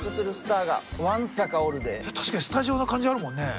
確かにスタジオの感じあるもんね。